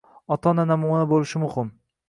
Ota-ona namuna bo'lishi muhim.